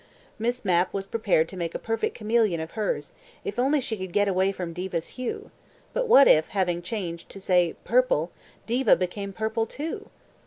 Miss Mapp was prepared to make a perfect chameleon of hers, if only she could get away from Diva's hue, but what if, having changed, say, to purple, Diva became purple too?